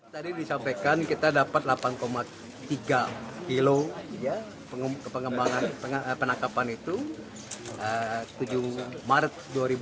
tadi disampaikan kita dapat delapan tiga kilo penangkapan itu tujuh maret dua ribu dua puluh